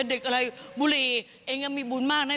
เด็กอะไรบุรีเองก็มีบุญมาก